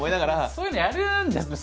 そういうのやるんですね。